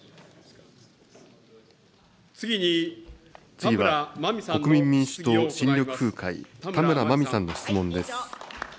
次は国民民主党・新緑風会、田村まみさんの質問です。